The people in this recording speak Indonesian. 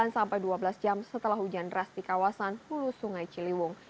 delapan sampai dua belas jam setelah hujan deras di kawasan hulu sungai ciliwung